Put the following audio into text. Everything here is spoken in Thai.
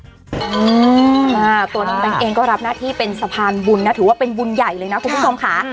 ตัวน้องแบงค์เองก็รับหน้าที่เป็นสะพานบุญนะถือว่าเป็นบุญใหญ่เลยนะคุณผู้ชมค่ะ